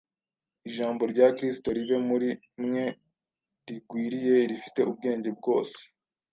Ijambo rya Kristo ribe muri mwe rigwiriye rifite ubwenge bwose,